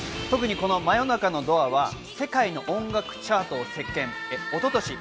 特にこの『真夜中のドア』は世界の音楽チャートを席巻。